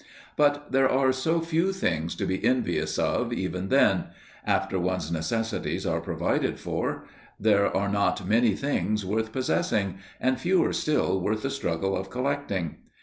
But there are so few things to be envious of, even then! After one's necessities are provided for, there are not many things worth possessing, and fewer still worth the struggle of collecting.